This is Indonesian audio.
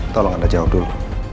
tolong anda jawab dulu